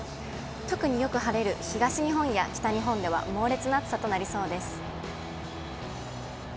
特によく晴れる東日本や北日本では猛烈な暑さとなりそうです。